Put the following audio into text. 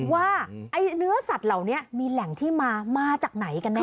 ว่าเนื้อสัตว์เหล่านี้มีแหล่งที่มามาจากไหนกันแน